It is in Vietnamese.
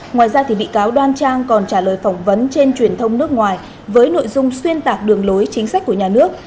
ngoài ra bị cáo đoan trang còn trả lời phỏng vấn trên truyền thông nước ngoài với nội dung xuyên tạc đường lối chính sách của nhà nước